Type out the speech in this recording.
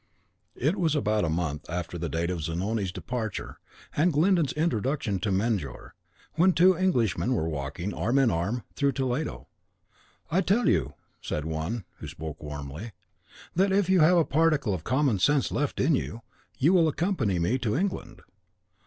It was about a month after the date of Zanoni's departure and Glyndon's introduction to Mejnour, when two Englishmen were walking, arm in arm, through the Toledo. "I tell you," said one (who spoke warmly), "that if you have a particle of common sense left in you, you will accompany me to England.